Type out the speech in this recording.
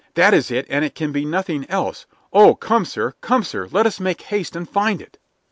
"That is it, and it can be nothing else. Oh, come, sir come, sir; let us make haste and find it!"